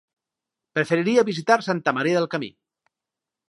Preferiria visitar Santa Maria del Camí.